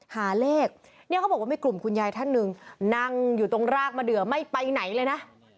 หาเลขเนี่ยเขาบอกว่ามีกลุ่มคุณยายท่านหนึ่งนั่งอยู่ตรงรากมะเดือไม่ไปไหนเลยนะ